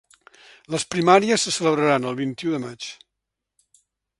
Les primàries se celebraran el vint-i-u de maig.